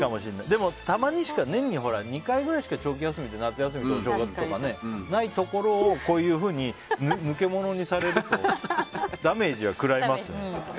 でも、たまにしか年に２回くらいしか長期休みって夏休みとお正月とかねないところをこういうふうにのけ者にされるとダメージは食らいますよね。